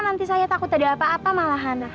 nanti saya takut ada apa apa malahan